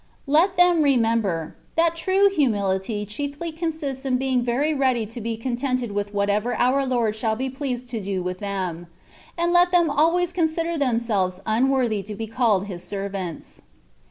Let them remember, that true humihty chiefly consists in being very ready to be contented with whatever our Lord shall be pleased to do with them; and let them always consider themselves unworthy to be called His servants.